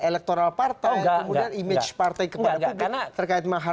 electoral partai kemudian image partai kepada puget terkait mahari